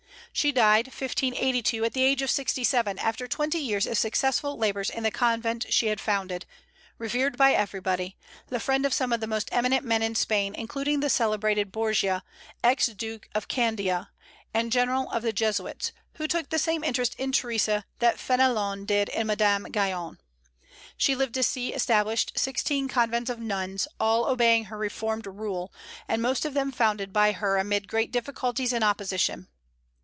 She died, 1582, at the age of sixty seven, after twenty years of successful labors in the convent she had founded; revered by everybody; the friend of some of the most eminent men in Spain, including the celebrated Borgia, ex Duke of Candia, and General of the Jesuits, who took the same interest in Theresa that Fénelon did in Madame Guyon. She lived to see established sixteen convents of nuns, all obeying her reformed rule, and most of them founded by her amid great difficulties and opposition.